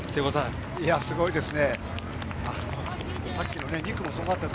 すごいですね。